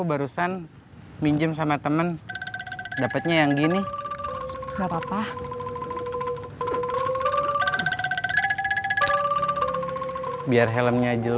mau dijemput tehkin nanti